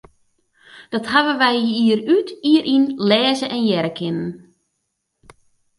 Dat hawwe wy jier út, jier yn lêze en hearre kinnen.